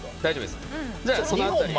大丈夫です。